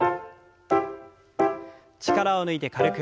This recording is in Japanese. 力を抜いて軽く。